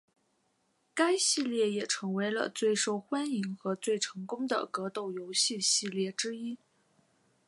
该系列也成为了最受欢迎和成功的格斗游戏系列之一。